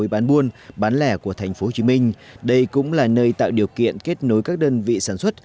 bán buôn bán lẻ của tp hcm đây cũng là nơi tạo điều kiện kết nối các đơn vị sản xuất